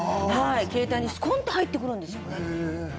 携帯に、すこんと入ってくるんです。